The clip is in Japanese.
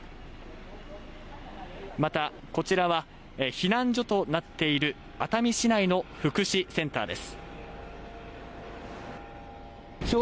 またこちらは避難所となっている熱海市内の福祉センターです。